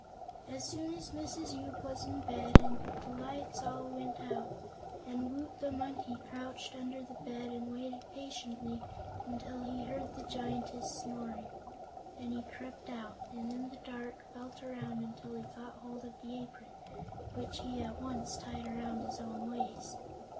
As soon as Mrs. Yoop was in bed the lights all went out, and Woot the Monkey crouched under the bed and waited patiently until he heard the Giantess snoring. Then he crept out and in the dark felt around until he got hold of the apron, which he at once tied around his own waist.